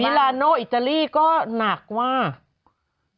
ลาโนอิตาลีก็หนักมาก